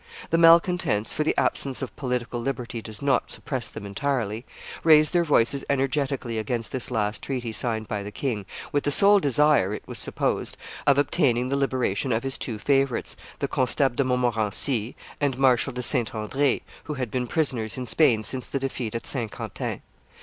The malcontents for the absence of political liberty does not suppress them entirely raised their voices energetically against this last treaty signed by the king, with the sole desire, it was supposed, of obtaining the liberation of his two favorites, the Constable de Montmorency and Marshal de Saint Andre, who had been prisoners in Spain since the defeat at Saint Quentin.